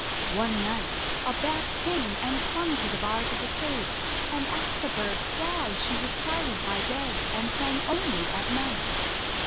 One night a Bat came and clung to the bars of the cage, and asked the Bird why she was silent by day and sang only at night.